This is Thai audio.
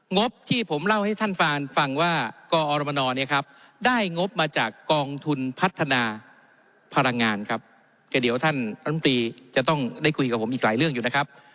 งบที่ผมเล่าให้ท่านฟังว่ากอรมนเนี่ยครับได้งบมาจากกองทุนพัฒนาพลังงานครับก็เดี๋ยวท่านรัฐมนตรีจะต้องได้คุยกับผมอีกหลายเรื่องอยู่นะครับ